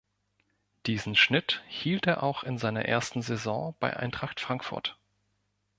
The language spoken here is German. Diesen Schnitt hielt er auch in seiner ersten Saison bei Eintracht Frankfurt.